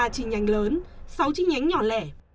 ba chi nhánh lớn sáu chi nhánh nhỏ lẻ